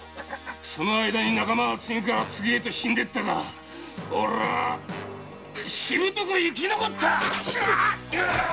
その間に仲間は次から次へと死んでいったがおれはしぶとく生き残った。